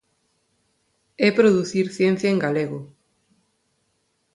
É producir ciencia en galego.